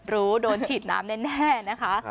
โดนฉีดน้ำแน่นะคะ